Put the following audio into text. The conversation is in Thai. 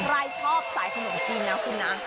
ใครชอบสายขนมจีนนะคุณนะ